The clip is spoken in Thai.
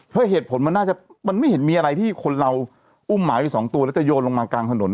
เพราะเหตุผลมันน่าจะมันไม่เห็นมีอะไรที่คนเราอุ้มหมาไปสองตัวแล้วจะโยนลงมากลางถนน